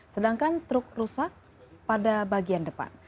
sedangkan truk rusak pada bagian depan